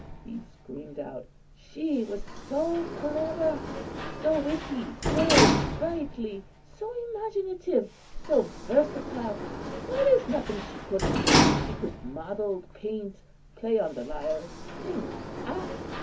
he screamed out. "She was so clever, so witty, so sprightly, so imaginative, so versatile! why, there's nothing she couldn't do. She could model, paint, play on the lyre, sing, act.